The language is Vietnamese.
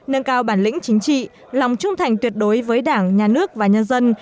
nâng cao bản lĩnh chính trị lòng trung thành tuyệt đối với đảng nhà nước và nhân dân